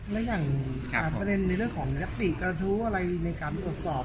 และอย่างประเด็นในเรื่องของยัตติกระทู้อะไรในการตรวจสอบ